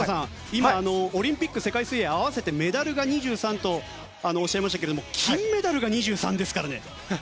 今、オリンピック世界水泳合わせてメダルが２３とおっしゃいましたけども金メダルが２３ですからね。